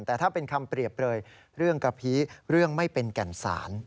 แต่ถ้าเป็นคำเปรียบเลยเรื่องกะพีเรื่องไม่เป็นแก่นสาร